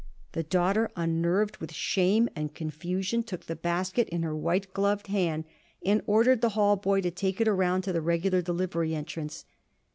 The daughter, unnerved with shame and confusion, took the basket in her white gloved hand and ordered the hall boy to take it around to the regular delivery entrance.